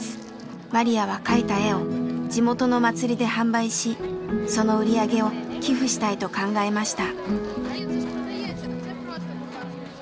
マリヤは描いた絵を地元の祭りで販売しその売り上げを寄付したいと考えました。